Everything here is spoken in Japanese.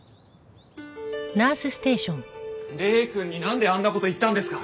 礼くんになんであんな事言ったんですか！？